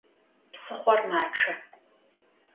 Psıxhor maççe.